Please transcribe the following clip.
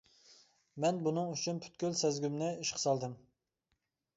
مەن بۇنىڭ ئۈچۈن پۈتكۈل سەزگۈمنى ئىشقا سالدىم.